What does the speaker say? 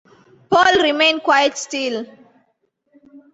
Paul remained quite still.